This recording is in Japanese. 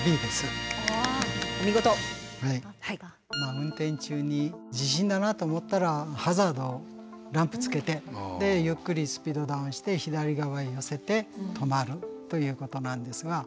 運転中に地震だなと思ったらハザードランプつけてでゆっくりスピードダウンして左側へ寄せて止まるということなんですが。